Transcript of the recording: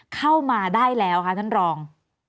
เข้ามาได้แล้วค่ะท่านรอง